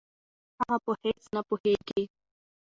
هغه په هېڅ نه پوهېږي.